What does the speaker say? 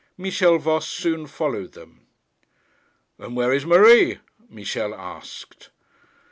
Michel Voss soon followed them. 'And where is Marie?' Michel asked.